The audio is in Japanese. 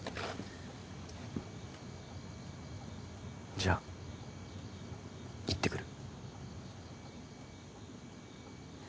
じゃあ行ってくる。